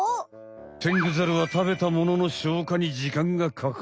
テングザルは食べたものの消化に時間がかかる。